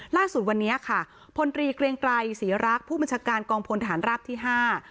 ล่าสุดวันนี้ค่ะพลตรีเกรียงไกรศรีรักษ์ผู้บัญชาการกองพลฐานราบที่ห้า